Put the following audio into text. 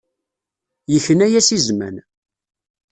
Yekna-as i zman.